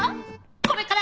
これから！